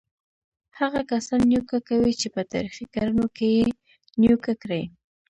هغه کسان نیوکه کوي چې په تاریخي کړنو کې یې نیوکه کړې.